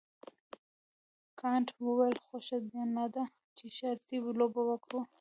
کانت وویل خوښه دې نه ده چې شرطي لوبه وکړو.